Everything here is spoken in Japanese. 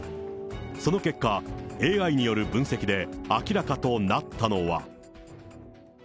その結果、ＡＩによる分析で明らかとなったのは。